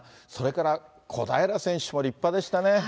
それから小平選手も立派でしたね。